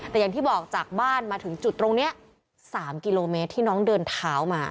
แต่อย่างที่บอกจากบ้านมาถึงจุดตรงนี้๓กิโลเมตรที่น้องเดินเท้ามา